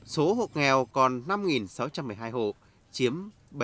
số hộ nghèo còn năm sáu trăm một mươi hai hộ chiếm bảy mươi một bốn